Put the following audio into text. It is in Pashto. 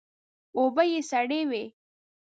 اوبه یې سړې وې.